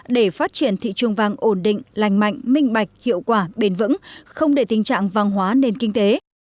để phát triển thị trường vàng ổn định lành mạnh minh bạch hiệu quả bền vững không để tình trạng vàng hóa nền kinh tế